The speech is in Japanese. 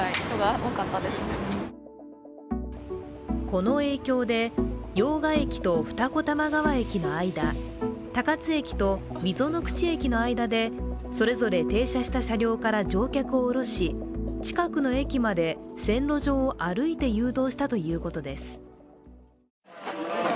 この影響で用賀駅と二子玉川駅の間、高津駅と溝の口駅の間で、それぞれ停車した車両から乗客を降ろし、近くの駅まで線路上を歩いて誘導したということです。